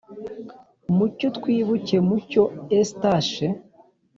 mucyo twibuke mucyo eustache